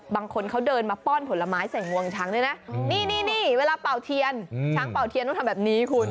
บางคนเขาเดินมาป้อนผลไม้ใส่งวงช้างด้วยนะนี่เวลาเป่าเทียนช้างเป่าเทียนต้องทำแบบนี้คุณ